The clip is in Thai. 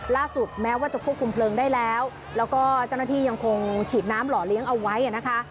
แม้ว่าจะควบคุมเพลิงได้แล้วแล้วก็เจ้าหน้าที่ยังคงฉีดน้ำหล่อเลี้ยงเอาไว้นะคะ